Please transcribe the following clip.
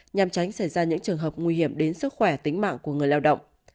nhằm tránh xảy ra những trường hợp nguy hiểm đến sức khỏe tính mạng của người lao động